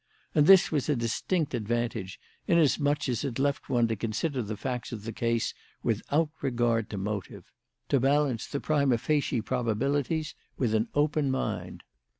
And this was a distinct advantage, inasmuch as it left one to consider the facts of the case without regard to motive to balance the prima facie probabilities with an open mind.